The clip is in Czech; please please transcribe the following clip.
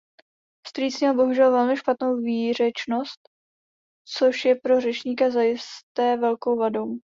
Strýc měl bohužel velmi špatnou výřečnosť, což je pro řečníka zajisté velkou vadou.